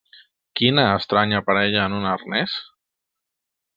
Quina estranya parella en un arnés?